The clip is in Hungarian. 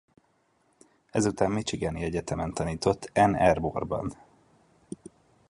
Ezután michigani egyetemen tanított Ann Arborban.